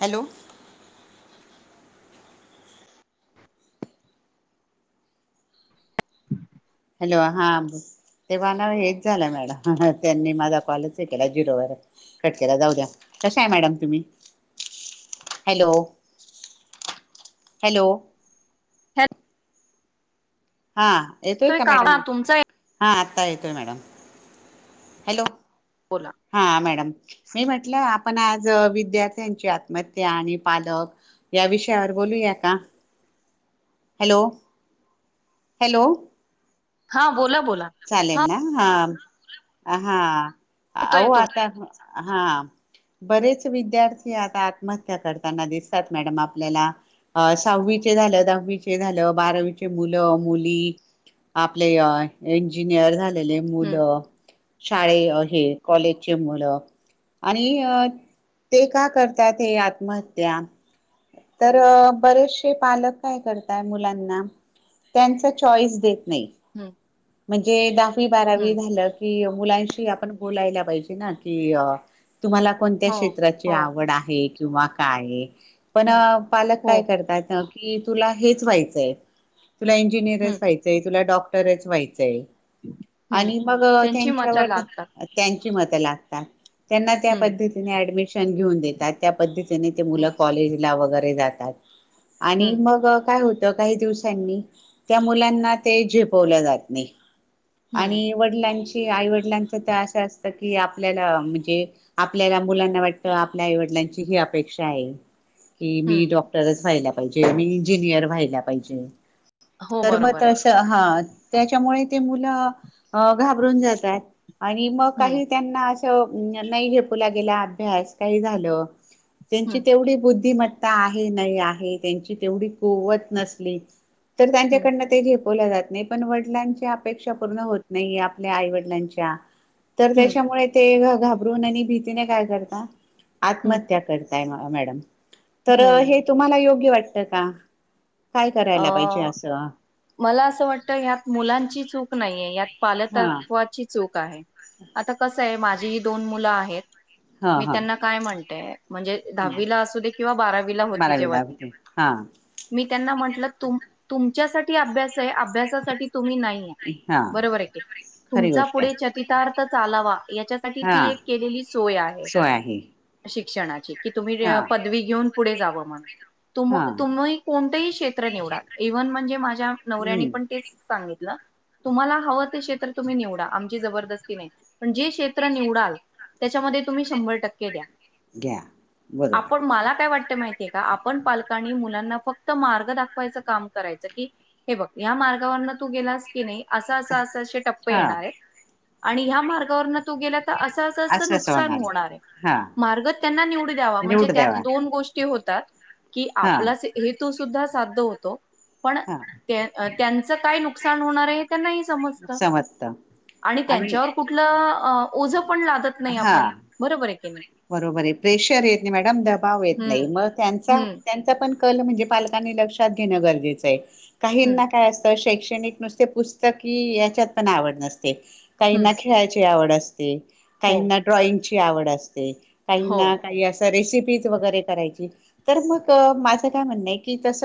Hello.... [unintelligible] hello हां बोल - तेव्हाणाव हेच झालं. मॅडम त्यांनी माझा कॉल केला. झिरोवर. कट केला जाऊ द्या कशा आहे मॅडम तुम्ही? हॅलो - हॅलो... हॅ हा येतोय का आवाज? मॅडम. हा तुमचा हा आता येतोय मॅडम हॅलो - बोला हा मॅडम - मी म्हटलं आपण आज विद्यार्थ्यांची आत्महत्या आणि पालक - या विषयावर बोलूया का? हॅलो. हॅलो..... हा बोला बोल. चालेल ना हा हा आओ येतोय तुम आता. अ हां. बरेच विद्यार्थी आता आत्महत्या करताना दिसतात मॅडम आपल्याला. अ सहावीचे झालं दहावीचे झालं बारावीचे मुलं मुली आपले अ इंजिनियर झालेले हम्म मुलं शाळे अ हे कॉलेजचे मुलं आणि अ ते का करतात हे आत्महत्या? तर बरेचसे पालक काय करताय मुलांना त्यांचं चॉईस देत नाही. हम्म म्हणजे दहावी बारावी हम्म झालं की मुलांशी आपण बोलायला पाहिजे ना की अ तुम्हाला कोणत्या हो क्षेत्राची हो आवड आहे? किंवा काय? पण हो पालक हो काय करतात अ की तुला हेच व्हायचंय तुला हम्म इंजिनियरच व्हायचंय तुला डॉक्टरच व्हायचंय हम्म आणि मग त्यांची मतं त्यांच्यावरती लागतात अ त्यांची मतं लागतात. त्यांना त्या हम्म पद्धतीने ऍडमिशन घेऊन देतात त्या पद्धतीने ते मुलं हम्म कॉलेजला वगैरे जा तात आणि हम्म मग काय हो त काही दिवसांनी त्या मुलांना ते झेपवलं जात नाही. हम्म आणि वडिलां ची आई वडिलांच त असं असतं की आपल्याला म्हणजे आपल्याला मुलांना वाटतं आपले आई वडील त्यांची ही अपेक्षा आहे. की मी हम्म डॉक्टरच व्हायला पाहिजे मी इंजिनियर व्हायला पाहिजे. हो तर मग बरोबर आहे तसं हां त्याच्यामुळे ते मुलं अ घाबरून जातात. आणि मग हम्म काही त्यांना असं नाही झेपला गेला अभ्यास काही झालं त्यांची हम्म तेवढी बुद्धिमत्ता आहे नाही आहे त्यांची तेवढी कुवत नसली तर हम्म त्यांच्याकडन ते झेपवलं जात नाही. पण वडिलांच्या अपेक्षा पूर्ण होत नाही आपल्या आई वडिलांच्या तर हम्म त्याच्यामुळे ते घ घाबरून आणि भीतीने काय करता हम्म आत्महत्या कर ताय म मॅडम तर हम्म हे तुम्हाला योग्य वाटतं का? काय अ करायला पाहिजे असं मला असं वाट त यात मुलांची चूक नाहीये यात हा पालकत्वाची चूक आहे आता क माझी ही दोन मुलं आहेत. हा मी हा त्यांना काय म्हणतेय म्हणजे दहावीला असू दे किंवा बारावीला होती मला जेव्हा ती - लागते हा त्यांना म्हटलं तुम् तुमच्यासाठी अभ्यास अभ्यासासाठी - तुम्ही नाही हा बरोबर आहे की खरी तुमचा गोष्ट आहे पुढे चतितार्थ चालावा. याच्यासाठी ती हा एक केलेली सोय आहे शिक्षणाची - की तुम्ही अं हा पदवी घेऊन पुढे जावं म्हणुन तुम्ह हा तुमही कोणतही क्षेत्र - निवडा इव्हन म्हणजे माझ्या नवऱ्यानी हम्म पण तेच सांगितलं तुम्हाला हवं ते क्षेत्र तुम्ही निवडा आमची जबरदस्ती नाही पण जे क्षेत्र निवडाल त्याच्यामध्ये तुम्ही शंभर टक्के द्या घ्या बरोबर मा का आपण पालकांनी मुलांना फक्त मार्ग दाखव काम करायच की हे बघ या मार्गावर तू गेलास की नाही अस अस असे टप्प हा येणार आणि ह्या मार्गावर तू गेल्या अस असं असं नुकसान आहे होणार हा मार्ग त्यांना निवड द्यावा म्हणजे निवड त्या द्यावा दोन गोष्टी क हा आपला हेतू सुद्धा साध्य होतो पण हा त्यांचं काय नुकसान होणार आहे ना समजत समजत आणि त्यांच्यावर कुठ नाही आपण हा बरोबर आहे बरोबर आहे प्रेशर येत नाही मॅडम दबाव येत हम्म नाही म त्यां हम्म त्यांचा पण णल लक्षत घेन गरजेचं हम्म आहे शैक्षणिक नुसते पुस्तक ह याच्यात पण आवड नसते काही हम्म न खेळायची आवड असते हो काहीना ड्रॉइंगची आवड असते हो काहीना काही अस रेशिपी वैगेरे करायची तर मग माज काय म्हणणं आहे कि तस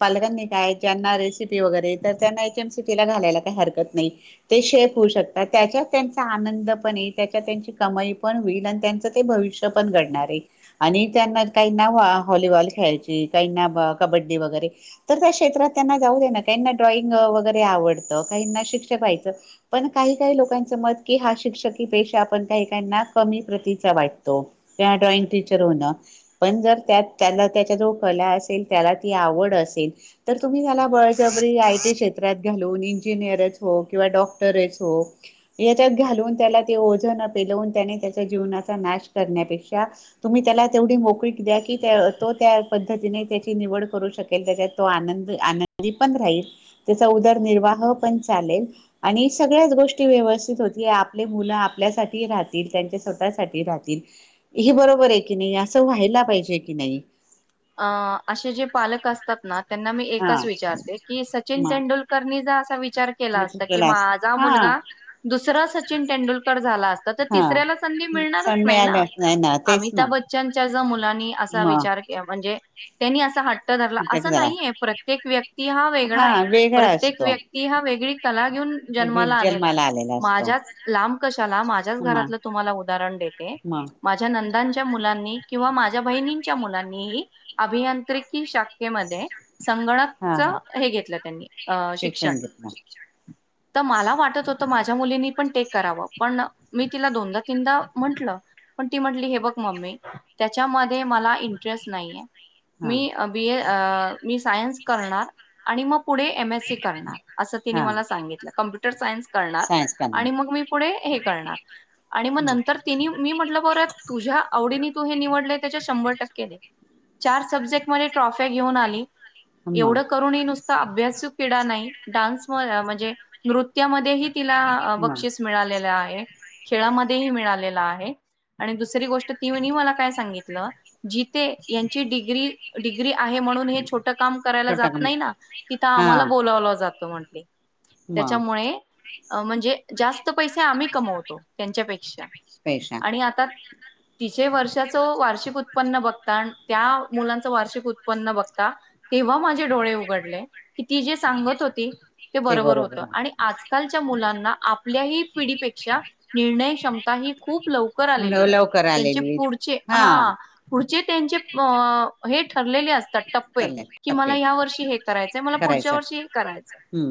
पालकांनी ज्यांना रेसिपी वैगेरे येतात त्यांना एच मी सी ला घायला हरकत नाही शेऊ शक त्याच्यावर त्यांचा आनंद पण य त्याच्या त्यांची कमाई पण होईल आणि त्यांच ते भविष्य पण घडणार आहे आणि त्यांना काही नाव हॉलिबॉल खोलायची कब्बड्डी वैगेरे त्या क्षेत्रात त्यांना जाऊ दे न त्याना ड्रायविंग वैगेरे वैगेरे आवडता काहिना शिक्षक पण काही काही लोकांच मत क हा शिक्ष पे आपण काही क प्रती वाटतो ड्रॉइंग टीच हो पण जर त्या त्यांना त्याच्या जवळ कला असेल त्याला त आवड असेल तर तुम्ही त्याला बळ जबरी क्षेत्रात घालून इजिनीर च हो किंवा डॉक्टर च हो यांच्यात घालून त्याला ते ओज पेलावून त्याने त्याच जीवनाचा नाश करण्यापेक्षा तुम्ही त्याला तेवढी मोकरी द्या की त्या तो त्या पद्धतीने त्याची निवड करू शकेल त्याच्यात तो आनंद आनंदी पण राहील त्याचा उदरनिर्वाह पण चालेल आणि सगळ्याच गोष्टी व्यवस्थित होती आपले आपल्या राह त्यांच्या स्वतः सा राह हे बरोबर आहे की नाही असं व्हाला पाहिजे की नाही अ असे जे पालक असतात ना त्यांना मी हा एकच विचारते की सचिन म तेंडुलकरनी ज असा विचार चार के मी अस क केला अस माझा हा मुलगा दुस सचिन तेंडुलकर झाला अस हा तिसऱ्याला संधी मिळणारच सण नाही ना मिळालाच नाही तेच ना अमिताभ बच्चनच्या ज मुलानी असा मग विचार म्हणजे त्यांनी असं ह धरला अटक असं झाला नाहीय प्रत्येक व्यक्ती हा वेगळा आहे वेगळा प्रत्येक असतो व्यक्ती हा वेगळी कला घेऊन जन्माला आलेला आहे आलेला असतो माझ्याच लांब कशाला माझ्याच मग घरातलं तुम्हाला उदाहरण देते मग माझ्या नंद मुलांनी किंवा माझ्या बहिच्या मुलांनी अभियांत्रिकी शाखेमध्ये हा संगणकच हा हे घेतलं त्यांनी अ शिक्षण तर मला वाटत होतं माझ्या मुलींनी पण टेक करावं पण मी तिला दोनदा तीनदा म्हंटलं पण ती म्हटली हे बघ मममी त्याच्यामध्ये मला इंटरेस्ट नाहीे हा मी बी अ मी सायन्स करणार आणि मग पुढे एम एस सी करणार असं तिने हा मला सांगितलं कंप्युटर सायन्स करणार सायन्स आणि करणार मग मी पुढे हे करणार आणि म नंतर तिनी मी म्हटलं बरं तुझ्या आवडीने तू हे निवडले त्याच्या शंभर ट चार सब्जेक्टमध्ये ट्रॉफ्या घेऊन आली मग एवढं मग करूनही नुस त अभ्यासू पिडा नाही डान्स म म्हणजे नृत्यामध्येही तिला अ मग बक्षीस मिळालेलं आ हे खेळामध्येही मिळालेलं आहे आणि दुसरी गोष्ट [unintelligible] मला काय सांगितलं जिते यांची डिग्री डिग्री आहे म्हणून हे छो टं काम करायला छोटा जात कमी नाही ना? तिथं हा आम्हाला बोलावलं जात म्हंटले मग त्याच्यामुळे अ म्हणजे जास्त पैसे आम्ही कमवतो त्यांच्यापेक्षा पेशा आणि आता तिचे वर्षाचं वार्षिक उ त्पन्न बघतान त्या मुलांचं वार्षिक उत्पन्न बघता तेव्हा माझे डोळे उघडले की ती जे सांगत होती ते बरोबर होतं आणि आज कालच्या मुलांना आपल्याही पिढीपेक्षा निर्णय क्षमता ही खूप लवकर आलेली आहे लवकर त्यांचे आलेली पुढचे हा हां. पुढचे त्यांचे अ हे ठरलेले अस तात टप्पे चालले की मला टप्पे या वर्षी हे करायचंय मला पुढच्या करायचा वर्षी हे करायचंय. हम्म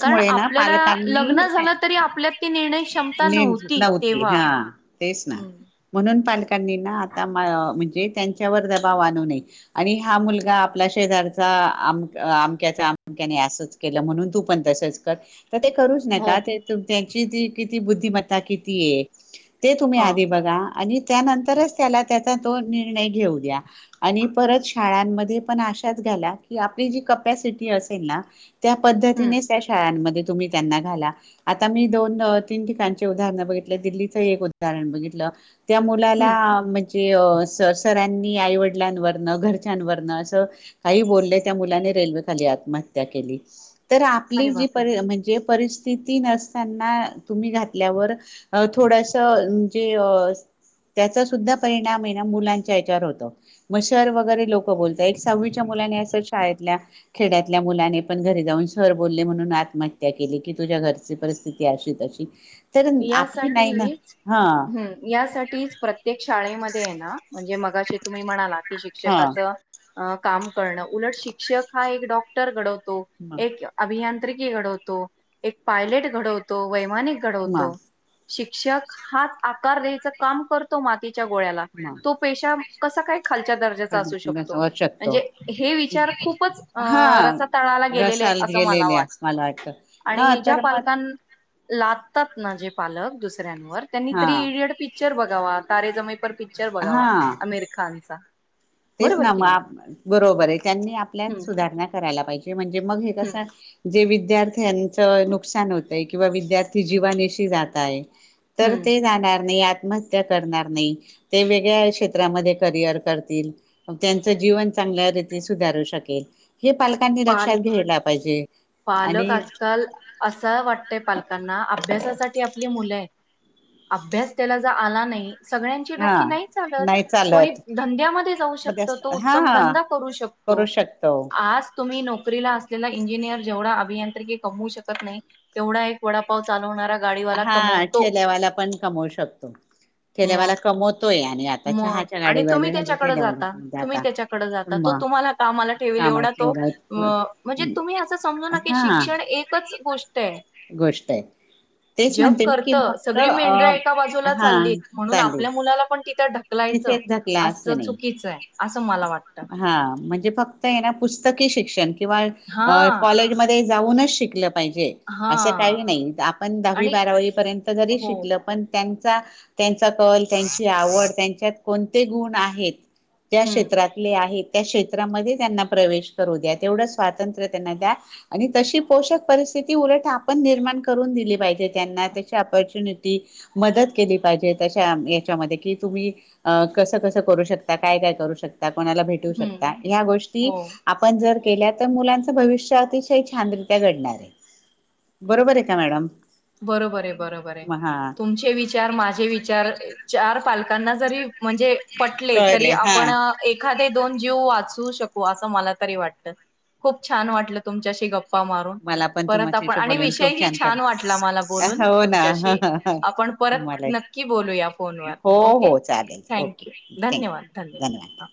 कारण ना आपल्याला लग्न पालकांनी झालं तरी आपल्यात ती निर्णय क्षमता नव्हती तेव्हा. हा. तेच ना हम्म म्हणून पालकांनी ना आता म्हणजे त्यांच्यावर दबाव आणू नये. आणि हा मुलगा आपला शेजारचाम अमक्याच्या अमक्याने असच केलं म्हणून तू पणं त्या तर ते करूच ना हो का त्यांची किती. बुद्धिमत्ता किती आहे. ते तुम्ही ह आधी बघा आणि त्यानंतरच त्याला त्याचा तो निर्णय घेऊ द्या. आणि. परत शाळांमध्ये पण आशाच घ्याला. की आपली जी कपसिटी असेल ना. त्या हम्म पद्धतीनेच. त्या शाळांमध्ये तुम्ही त्यांना घाल. आता मी दोन-तीन ठिकाणचे उदाहरण बघितलं दिल्लीचं एक उदाहरण बघितलं. त्या हम्म मुलाला म्हणजे सरसरांनी आईवडिलांवर. घरच्यान वरन अस काहीही बोलले त्या मुलाने रेल्वेखाली आत्महत्या केली. तर आपली अरे जी बापरे! पर म्हणजे परिस्थिती नसताना तुम्ही घातल्यावर हे थोडस जे त्याचा सुद्धा परिणाम आहे ना. मुलांच्या याच्यावर होतो म सर वगैरे लोक बोलत. सहावीच्या मुला अस शाळेतल्या खेड्यातल्या मुलाने पण घरी जाऊन शर म्हणून आत्महत्या केली की तुझ्या घरची परिस्थिती. अशी. तर आपली नाही ना यासाठीच् हा हम. यासाठीच प्रत्येक शाळेमध्ये आहे ना म्हणजे मगाशी तुम्ही म्हनालात. हा शिक्षकाचा काम करण उलट शिक्षक हा एक डॉक्टर डॉक्टर घडवतो. म एक अभियांत्रिकी घडवतो. एक पायलट घडवतो. वैमानिक. अठीमा [unintelligible] घडवतो. शिक्षक हाच आकार द्यायच काम करतो. मातीच्या गोळ्याला तो पेशा कसा काय. खालच्या दर्जाचा असू म शकतो. वर शकतो म्हणजे हे विचार खूप हा रसा तळाला गेलेले. रसाल अस मला गेलेले अस वाटतं. मला वाटत हा आणि ज्या तर मग पालकना. लादतात ना. जे पालक दुसऱ्यांवर त्यांनी हा तरी इडियट पिक्चर बघावा. तारे जमीनपर पिक्चर बघावा. हा आमिर खानचा. तेच बरोबर ना की म. नाही बरोबर आहे. त्यांनी आपल्यात हम्म सुधारणा करायला पाहिजे म्हणजे. हम्म की विद्यार्थ्यां नुकसान होतय. किंवा विद्यार्थी जीवा. ती जाताय तर हम्म ते जाणार नाही. आत्महत्या करणार नाही. ते वेगळ्या क्षेत्रामध्ये करिअर करतील. मग त्यांचं जीवन चांगल्या रीती सुधारू शकेल. हे पालकांनी पाल लक्षात घेयला पाहिजे. पालक आणि आजकाल असा वाटतय पालकांना अभ्यासाच. पण ती आपली मुलं आहेत. अभ्यास त्याला ज आला नाही सगळ्यांची हा डोकी नाही चालत. नाही कोणी चालत धंद्यामध्ये जाऊ मग शकतो तो त्या हा उत्तम धंदा करू करू शकतो. शकतो आज तुम्ही नोकरीला असलेला इंजिनिअर. जेवा अभियांत्रिकी कमवू शकत नाही. तेवढा एक वडापाव चालवणारा गाडीवाला हा कमवतो ठेलेवाला पण कमवू शकतो. मग केल्यावाला कमवतोय. आणि आता मग चहाच्या आणि गाडीवा तुम्ही केल्यावा आता. त म तुम्हाला कामाला ठेवेल एवढा कामाची तो. अ म्हणजे तुम्ही असं समजू ना की हा शिक्षण एकच गोष्ट आहे. ते. जग करत सगळी मेंढऱ्या एका बाजूला हा चाललीत. म्हणून चालेल आपल्या मुलाला पण. तिथं ढकलायचं तिथेच ढकला असं नाही. चुकीचं आहे. असं मला वाटतं. हा म्हणजे फक्त हे ना पुस्तकी शिक्षण किंवा हां, कॉलेजमध्ये. जाऊनच शिकल. पाहिजे अस हां काही नाही. आपण दहावी आणि बारावी पर्यंत जरी हो. शिकल पण त्यांनी. त्यांचां कॉल त्यांची आवड त्यांच्यात कोणते गुण आहेत. त्या हं, क्षेत्रात. नाहीं त्या क्षेत्रामध्ये त्यांना प्रवेश करू द्या. तेवढ स्वातंत्र त्यांना द्या आणि तशी पोषक. परिस्थित उलट आपण निर्माण करून दिली पाहिजे. त्यांना आ चीपॉर्च्युनिटी मदत केली पाहिजे तश्या याच्यामध्ये कि तुम्ही कस-कसं करू शकता. काय-काय करू शकता. कोणाला भेटू शकता. हं. या गोष्टी हो. आपण जर. केल्या तर मुलांच भविष्य अतिशय छानरित्या घडणार आहे. हं. बरोबर आहे का मॅडम. बरोबर आहे. बरोबर आहे. हा तुमचे विचार माझे विचार. चार पालकांना जरी. म्हणजे पटले. तरी कळले हा आपण एखादे दोन जीव वाचवु. करू शकू अस मला तरी वाटलं खूप छान वाटल तुमच्याशी गप्पा गप्पा मारून. मला पण परत आपण तुमच्याशी आणि बोलून विषय खूप ही छान कर वाटला. मला बोलून हो ना तुमच्याशी. आपण परत मला नक्की बोलू या फोन वर हो ओके. हो चालेल ओके थँक्यू धन्यवाद थँक्यू धन्यवाद हा.